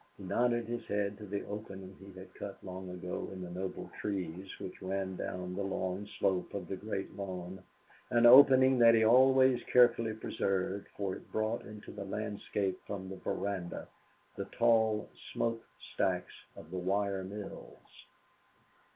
He nodded his head to the opening he had cut long ago in the noble trees which ran down the long slope of the great lawn, an opening that he always carefully preserved for it brought into the landscape from the veranda the tall smoke stacks of the wire mills.